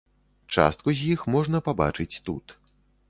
Частку з іх можна пабачыць тут.